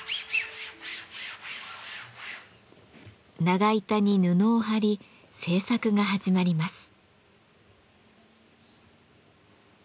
長板に布を張り制作が始まります。